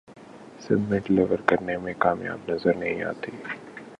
سندھ میں ڈیلیور کرنے میں کامیاب نظر نہیں آتی